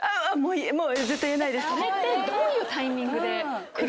どこ？どういうタイミングで来る？